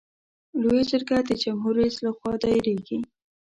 لویه جرګه د جمهور رئیس له خوا دایریږي.